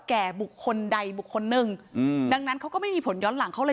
แก่บุคคลใดบุคคลหนึ่งอืมดังนั้นเขาก็ไม่มีผลย้อนหลังเขาเลย